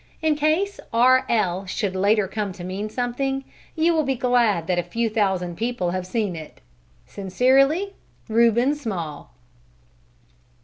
In case R. L. should later come to mean something, you will be glad that a few thousand people have seen it. Sincerely, REUBEN SMALL.